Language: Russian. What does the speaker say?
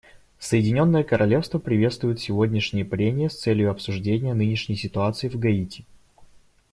Соединенное Королевство приветствует сегодняшние прения с целью обсуждения нынешней ситуации в Гаити.